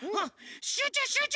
しゅうちゅうしゅうちゅう！